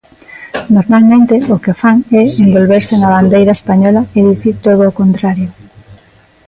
Normalmente, o que fan é envolverse na bandeira española e dicir todo o contrario.